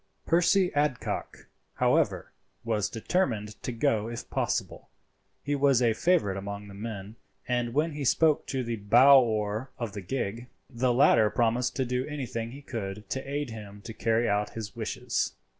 Percy Adcock, however, was determined to go if possible. He was a favourite among the men, and when he spoke to the bow oar of the gig, the latter promised to do anything he could to aid him to carry out his wishes.